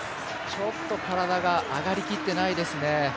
ちょっと体が上がりきってないですね。